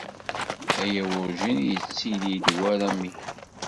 Aya werǧin yettili-d war amihi.